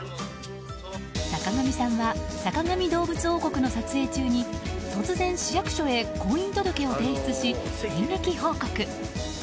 坂上さんは「坂上どうぶつ王国」の撮影中に突然、市役所へ婚姻届を提出し電撃報告。